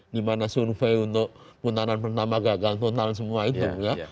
dimana survei untuk putaran pertama gagal total semua itu ya